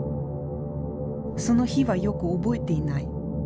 その日はよく覚えていない。